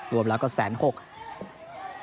รวมแล้วก็๑๖๐๐บาท